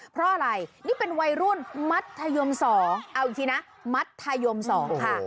เพราะอะไรนี่เป็นวัยรุ่นมัธยม๒เอาอีกทีนะมัธยม๒ค่ะ